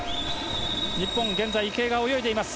日本、池江が泳いでいます